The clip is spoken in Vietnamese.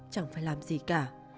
chẳng phải làm gì cả